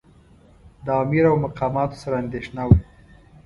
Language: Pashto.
د امیر او مقاماتو سره اندېښنه وه.